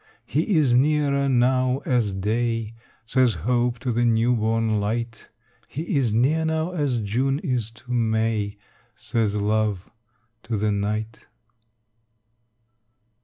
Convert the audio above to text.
He is near now as day, Says hope to the new born light: He is near now as June is to May, Says love to the night.